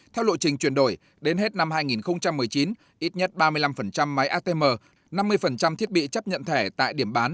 theo lộ trình chuyển đổi đến hết năm hai nghìn một mươi chín ít nhất ba mươi năm máy atm năm mươi thiết bị chấp nhận thẻ tại điểm bán